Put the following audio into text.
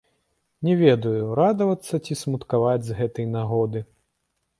Не ведаю, радавацца ці смуткаваць з гэтай нагоды.